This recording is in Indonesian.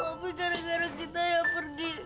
kak opi gara gara kita ya pergi